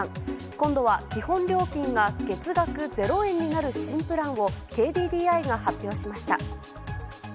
今度は基本料金が月額０円になる新プランをＫＤＤＩが発表しました。